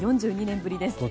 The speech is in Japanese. ４４２年ぶりですね。